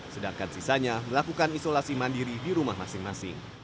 sedangkan sisanya melakukan isolasi mandiri di rumah masing masing